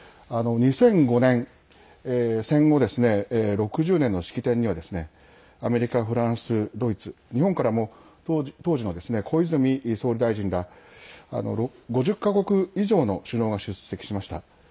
２００５年戦後６０年の式典にはアメリカ、フランス、ドイツ日本からも当時の小泉総理大臣ら５０か国以上の首脳が出席しました。